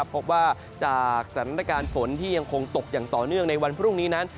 พบว่าจากสถานการณ์ฝนที่ยังคงตกอย่างต่อเนื่องในวันพรุ่งนี้นั้น